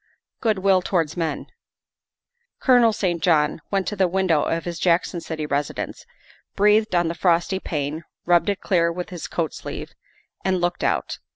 " Good will towards men." Colonel St. John went to the window of his Jackson City residence, breathed on the frosty pane, rubbed it clear with his coat sleeve, and looked out.